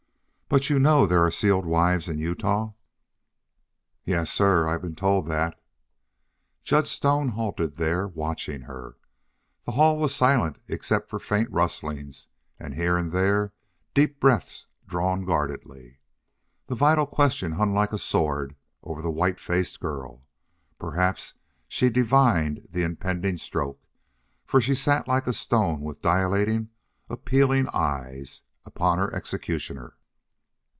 "But you know there are sealed wives in Utah?" "Yes, sir; I've been told that." Judge Stone halted there, watching her. The hall was silent except for faint rustlings and here and there deep breaths drawn guardedly. The vital question hung like a sword over the white faced girl. Perhaps she divined its impending stroke, for she sat like a stone with dilating, appealing eyes upon her executioner.